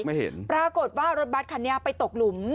ไม่เห็นปรากฏว่ารถบัตรคันนี้ไปตกหลุม